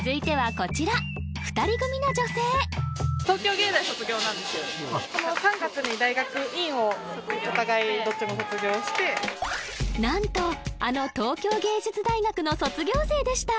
この３月に大学院をお互いどっちも卒業してなんとあの東京藝術大学の卒業生でした